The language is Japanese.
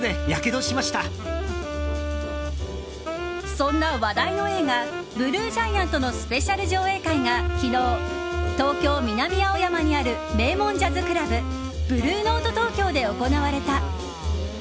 そんな話題の映画「ＢＬＵＥＧＩＡＮＴ」のスペシャル上映会が昨日東京・南青山にある名門ジャズクラブＢｌｕｅＮｏｔｅＴＯＫＹＯで行われた。